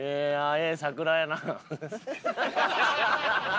ええ桜やな。